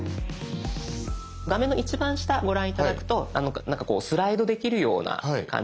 画面の一番下ご覧頂くとこうスライドできるような感じになってますよね。